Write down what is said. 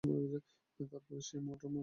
তারপরে আমরা মন্টমার্টে গেলাম।